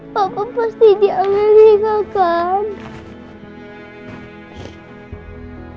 papa pasti dia ambil nih kakak